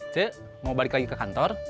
cek mau balik lagi ke kantor